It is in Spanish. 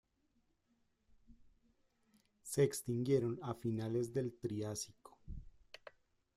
Se extinguieron a finales del Triásico.